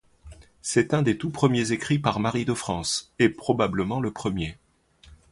C'est un des tout premiers écrits par Marie de France, et probablement le premier.